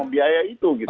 mengbiaya itu gitu